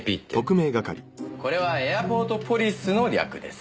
これはエアポートポリスの略です。